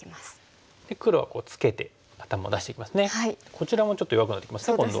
こちらもちょっと弱くなってきますね今度は。